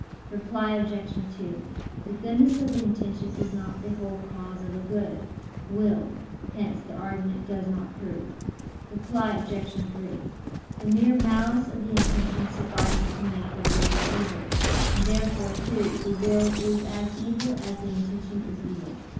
Reply Obj. 2: The goodness of the intention is not the whole cause of a good will. Hence the argument does not prove. Reply Obj. 3: The mere malice of the intention suffices to make the will evil: and therefore too, the will is as evil as the intention is evil.